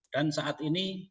dan saat ini